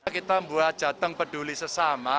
kita membuat jateng peduli sesama